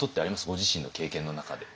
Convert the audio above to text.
ご自身の経験の中で。